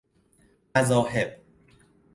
مذاهب